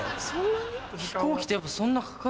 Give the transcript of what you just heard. そんなに？